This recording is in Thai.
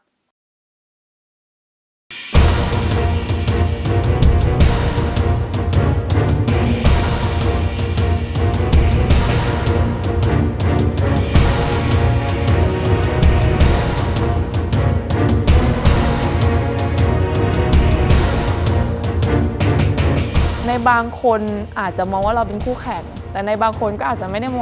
รายการต่อไปนี้เหมาะสำหรับผู้ชมที่มีอายุ๑๓ปีควรได้รับคำแนะนำ